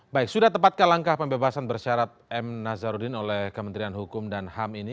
baik sudah tepatkah langkah pembebasan bersyarat m nazarudin oleh kementerian hukum dan ham ini